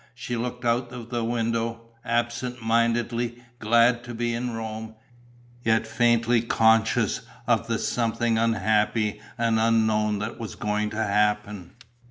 She looked out of the window, absent mindedly, glad to be in Rome, yet faintly conscious of the something unhappy and unknown that was going to happen.